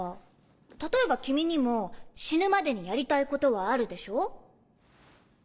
例えば君にも死ぬまでにやりたいことはあるでしょ？